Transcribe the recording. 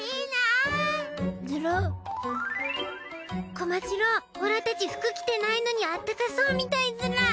コマじろうオラたち服着てないのにあったかそうみたいズラ。